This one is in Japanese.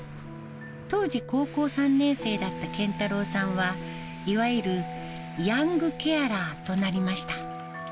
当時高校３年生だった謙太郎さんは、いわゆるヤングケアラーとなりました。